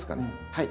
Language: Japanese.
はい。